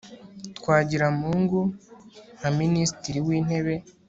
twagiramungu nka minisitiri w'intebe